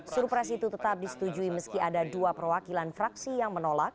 surprise itu tetap disetujui meski ada dua perwakilan fraksi yang menolak